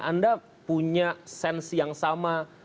anda punya sense yang sama